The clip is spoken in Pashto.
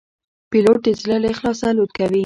پیلوټ د زړه له اخلاصه الوت کوي.